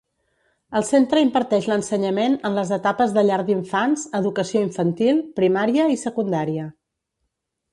El centre imparteix l'ensenyament en les etapes de Llar d'infants, Educació Infantil, Primària i Secundària.